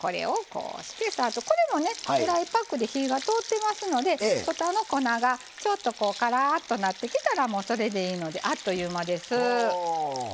これもねドライパックで火が通ってますので外の粉がちょっとこうカラッとなってきたらもうそれでいいのであっという間です。